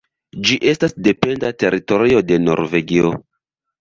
Ĝi estas dependa teritorio de Norvegio.